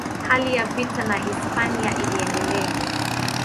Hali ya vita na Hispania iliendelea.